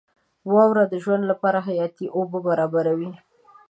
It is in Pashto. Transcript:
• واوره د ژوند لپاره حیاتي اوبه برابروي.